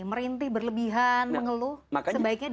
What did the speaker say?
merintih berlebihan mengeluh sebaiknya di